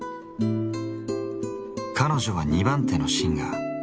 カノジョは２番手のシンガー